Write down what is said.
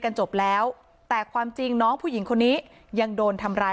จบแล้วแต่ความจริงน้องผู้หญิงคนนี้ยังโดนทำร้าย